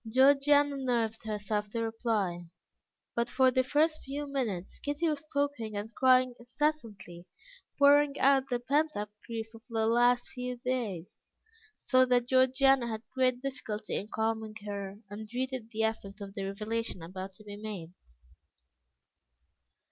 Georgiana nerved herself to reply, but for the first few minutes, Kitty was talking and crying incessantly, pouring out the pent up grief of the last few days, so that Georgiana had great difficulty in calming her, and dreaded the effect of the revelation about to be made.